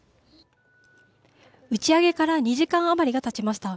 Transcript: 打ち上げから２時間余りがたちました。